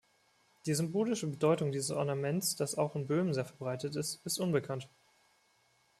Die symbolische Bedeutung dieses Ornaments, das auch in Böhmen sehr verbreitet ist, ist unbekannt.